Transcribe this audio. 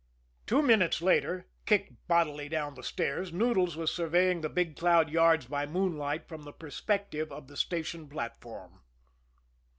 Two minutes later, kicked bodily down the stairs, Noodles was surveying the Big Cloud yards by moonlight from the perspective of the station platform.